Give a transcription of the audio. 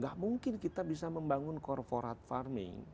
gak mungkin kita bisa membangun corporat farming